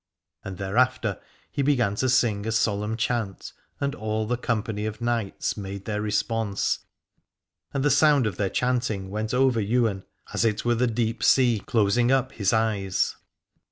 And thereafter he began to sing a solemn chant, and all the company of knights made their response : and the sound of their chanting went over Ywain as it were the 354 Aladore deep sea closing up his eyes.